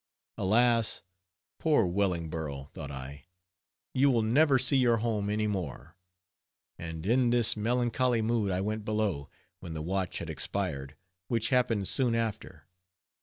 Alas! poor Wellingborough, thought I, you will never see your home any more. And in this melancholy mood I went below, when the watch had expired, which happened soon after.